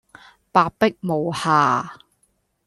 白璧無瑕